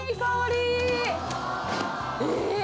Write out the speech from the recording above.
え